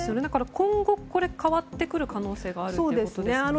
今後、変わってくる可能性があるということですよね。